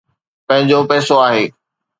پنهنجو پئسو آهي.